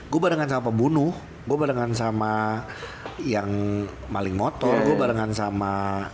gue barengan sama bunuh gue barengan sama yang maling motor gue barengan sama